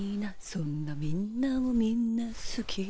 「そんなみんなをみんなすき」